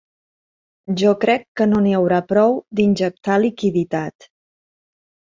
Jo crec que no n’hi haurà prou d’injectar liquiditat.